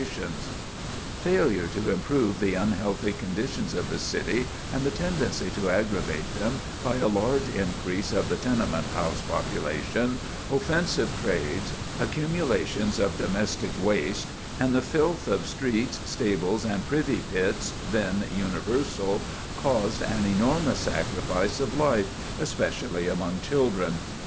[Sidenote: Enormous Sacrifice of Life] Failure to improve the unhealthy conditions of the city, and the tendency to aggravate them by a large increase of the tenement house population, offensive trades, accumulations of domestic waste, and the filth of streets, stables, and privy pits, then universal, caused an enormous sacrifice of life, especially among children.